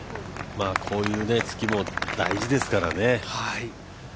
こういうつきも大事ですからね。